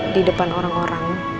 di depan orang orang